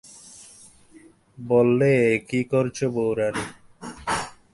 বললে, এ কী করছ বউরানী?